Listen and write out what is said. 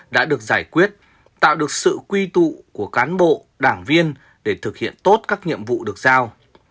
đã được giải quyết tạo được sự quy tụ của cán bộ đảng viên để thực hiện tốt các nhiệm vụ được giao